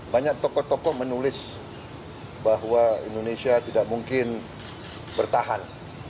banyak tokoh tokoh menulis bahwa indonesia tidak mungkin bertahan